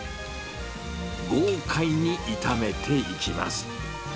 豪快に炒めていきます。